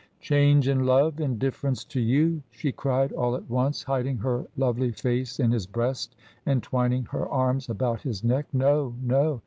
"Change in love indifference to you!" she cried, all at once, hiding her lovely face in his breast and twining her arms about his neck. "No, no!